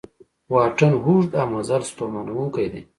واټن اوږد او مزل ستومانوونکی دی